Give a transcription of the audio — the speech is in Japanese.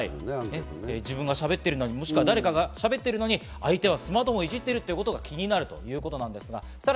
自分がしゃべってるのに、もしくは誰かがしゃべってるのに相手がスマートフォンをいじっていることが気になるということです。